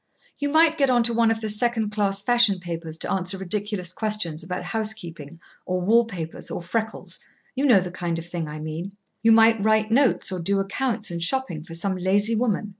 You might get on to one of the second class fashion papers to answer ridiculous questions about house keeping or wall papers or freckles. You know the kind of thing I mean. You might write notes or do accounts and shopping for some lazy woman.